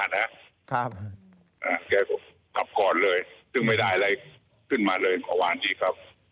แกก็กลับก่อนเลยไม่ได้อะไรขึ้นมาสวัสดีครับ